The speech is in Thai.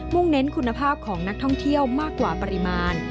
่งเน้นคุณภาพของนักท่องเที่ยวมากกว่าปริมาณ